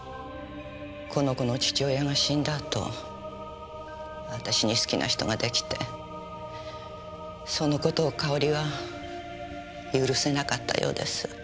この子の父親が死んだあと私に好きな人が出来てその事をかおりは許せなかったようです。